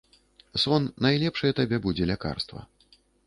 Сон найлепшае табе будзе лякарства.